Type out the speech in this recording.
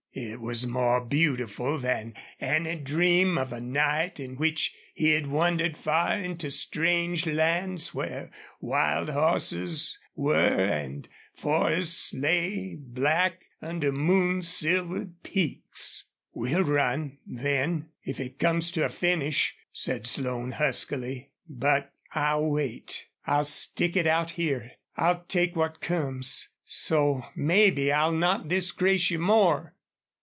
It was more beautiful than any dream of a night in which he had wandered far into strange lands where wild horses were and forests lay black under moon silvered peaks. "We'll run then if it comes to a finish," said Slone, huskily. "But I'll wait. I'll stick it out here. I'll take what comes. So maybe I'll not disgrace you more."